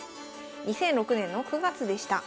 ２００６年の９月でした。